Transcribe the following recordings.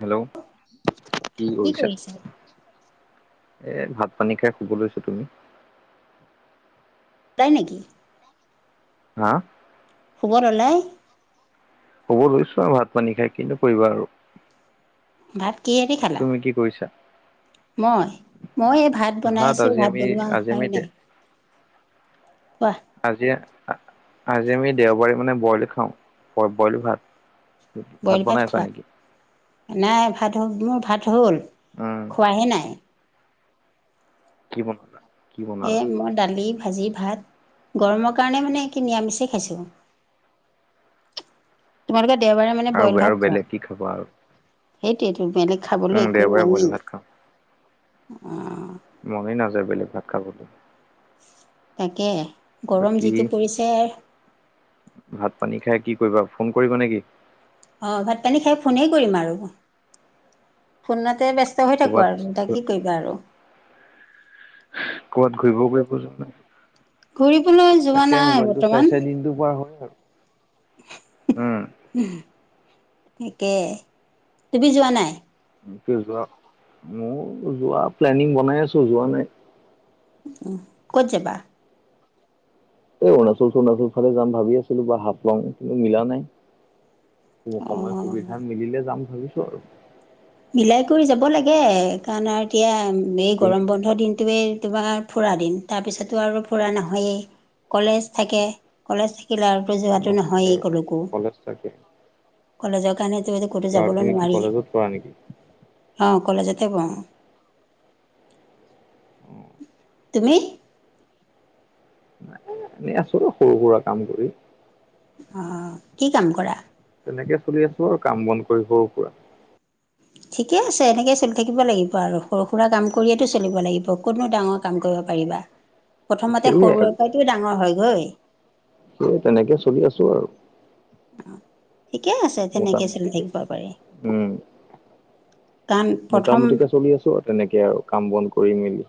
Hello, কি কৰিছা? এ ভাত পানী খাই শুব লৈছো, তুমি? াই নেকি? হা? শুব ললাই? ক'ব লৈছো আৰু ভাত পানী খাই কিনো কৰিবা আৰু। ভাত কিহেদি খালা? তুমি কি কৰিছা? মই, মই এই ভাত বনাই আছো, আজি ভাত আমি বনোৱা আজি হোৱাই আমি দে- নাই। কোৱা। আজি, আজি আমি দেওবাৰী মানে বইল খাওঁ, বইল ভাত। বইল ভাত বনাই আছা খোৱা, নেকি? নাই ভাত হ মোৰ ভাত হ'ল, উম খোৱাহে নাই। কি বনা সেয়ে মই দালি ভাজি ভাত। গৰমৰ কাৰণে মানে কি নিৰামিষেই খাইছো। তোমালোকে দেওবাৰে মানে আৰু বইল আৰু ভাত খোৱা, বেলেগ কি খাবা আৰু সেইটোয়েটো বেলেগ খাবলৈ উম দেওবাৰে একোৱেই বইল নাইয়ে, ভাত খাওঁ। অ'। মনেই নাযায় বইল ভাত খাবলৈ। তাকে, গৰম বাকী যিটো পৰিছে। ভাত পানী খাই কি কৰিবা ফোন কৰিবা নেকি? অ' ভাত পানী খাই ফোনেই কৰিম আৰু, ফোনতে ব্যস্ত হৈ থাকোঁ ক'ৰবাত আৰু তাকে। কি কৰিবা আৰু। ক'বাত ঘূৰিব গৈ [unintelligible] নাই। ঘূৰিবলৈ যোৱা তাকে নাই মোবাইলটো চাই বৰ্তমান। চাই দিনটোৰ পৰা হয় আৰু, উম। ঠিকে, তুমি যোৱা নাই? যোৱা মোৰ, যোৱা প্লেনিং বনাই আছো যোৱা নাই। উম ক'ত যাবা? এই অৰুণাচল চৰুণাচল ফালে যাম ভাবি আছিলো বা হাফলং কিন্তু মিলা নাই। সময় সুবিধা অ'। মিলিলে যাম ভাবিছো আৰু। মিলাই কৰি যাব লাগে কাৰণ আৰু এতিয়া এই তুমি গৰম বন্ধ পৰা দিনটোৱে তোমাৰ ফুৰা দিন তাৰপিছতো আৰু ফুৰা নহয়েই। কলেজ থাকে, কলেজ থাকিলে আৰু কতো যোৱাটো নহয় নহয়েই আৰু ক'লকো, কলেজ থাকে কলেজৰ কাৰণেতেতো ক'তো যাবলৈ নোৱাৰি। হয় নেকি। অ' কলেজতে পঢ়ো। অ'। তুমি? এনেই আছো সৰু সুৰা কাম কৰি। অ' কি কাম কৰা? তেনেকে চলি আছো আৰু কাম বন কৰি সৰু সুৰা। ঠিকে আছে, এনেকৈ চলি থাকিব লাগিব আৰু, সৰু সুৰা কাম কৰিয়েতো চলিব লাগিব, কতনো ডাঙৰ কাম কৰিব পাৰিবা। প্ৰথমতে সেয়ে সৰুৰে আৰু পৰাটো ডাঙৰ হয়গৈ। স তেনেকে চলি আছো আৰু। অ' ঠিকে আছে, তেনেকে চলি মোটামুটিকে। থাকিব পাৰি। উম কাৰণ প্ৰথম মোটামুটিকে চলি আছো আৰু তেনেকে আৰু কাম বন কৰি মেলি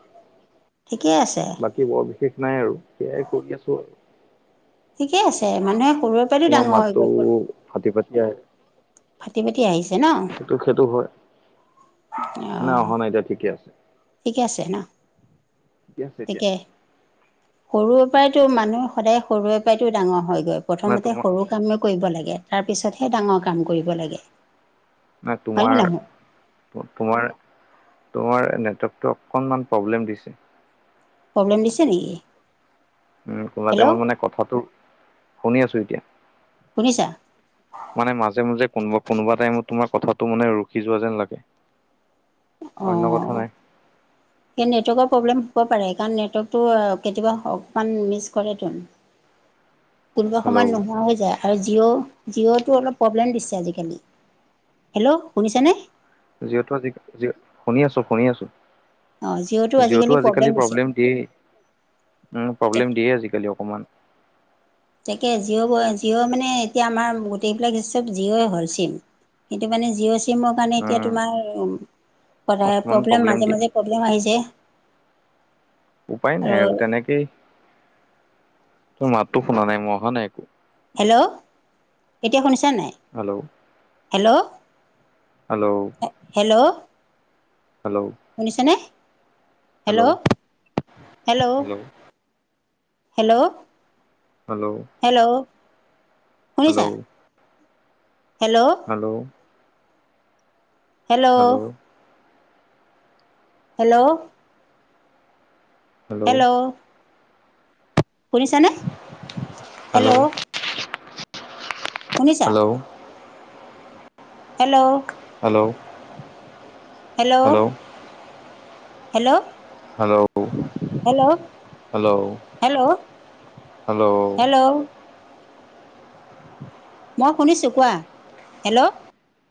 ঠিকেই আছে। বাকী বৰ বিশেষ নাই আৰু, সেয়াই কৰি আছো আৰু। ঠিকে আছে, মানুহে সৰুৰে পৰাটো ডাঙৰ হৈ গৈ [unintelligible] আৰু ফাটি-ফাটি আহিছে নহ? সেইটো-সেইটো হয়। নাই অঁ অহা নাই, এতিয়া ঠিকে আছে। ঠিকে আছে নহ, ঠিকে আছে এতিয়া ঠিকেই সৰুৰে পৰাইতটো মানুহ, সদায় সৰুৰে পৰাইতটো ডাঙৰ হয় গৈ। নাই প্ৰথমতে তোমাৰ সৰু কামেই কৰিব লাগে, তাৰ পিছতহে ডাঙৰ কাম কৰিব লাগে। নে হয়নে তোমাৰ নহয় তোমাৰ-তোমাৰ নেটৱৰ্কতটো অকনমান প্ৰব্লেম দিছে। প্ৰব্লেম দিছে নেকি? উম, কোনমতে হেল্ল' মই মানে কথাটো শুনি আছো এতিয়া। শুনিছা? মানে, মাজে মাজে কোনোবা কোনোবা টাইমত তোমাৰ কথাটো মানে ৰখি যোৱা যেন লাগে। অন্য কথা অহ। নাই সেই নেটৱৰ্কৰ প্ৰব্লেম হ'ব পাৰে, কাৰণ নেটৱৰ্কতটো কেতিয়াবা অকমান মিচ কৰে। কোনোবা হেল্ল' সময়ত নোহোৱা হৈ যায়। আৰু জিঅ' জিঅ'টো অলপ প্ৰব্লেম দিছে আজিকালি, হেল্ল' শুনিছানে? জিঅ'টো আজি শুনি আছো, শুনি আছো। জিঅ'টো আজিকালি প্ৰব্লেম দিয়ে, উম প্ৰব্লেম দিয়ে আজিকালি অকমান। তাকে জিঅ' জিঅ' মানে এতিয়া আমাৰ গোটেইবিলাক চব জিঅ' হ'ল চিম। সেইটো মানে, জিঅ' চিমৰ কাৰণে এতিয়া উম তোমাৰ অকমান প্ৰব্লেম মাজে দিয়ে মাজে প্ৰব্লেম আহিছে। উপায় নাই আৰু, তেনেকেই তোৰ মাততো শুনা নাই মই অহা নাই একো? হেল্ল'? এতিয়া শুনিছা নাই? Hello? Hello. Hello. Hello. Hello. শুনিছানে? Hello, hello? Hello. Hello. Hello. Hello. শুনিছা hello. Hello. Hello. Hello. Hello. শুনিছানে? হেল্ল'। শুনিছা? Hello hello. Hello. Hello. Hello. Hello, hello hello, hello hello. Hello মই শুনিছোঁ কোৱা, হেল্ল'।